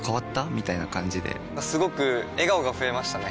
みたいな感じですごく笑顔が増えましたね！